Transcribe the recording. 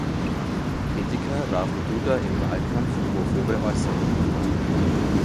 Kritiker warfen Duda im Wahlkampf homophobe Äußerungen vor.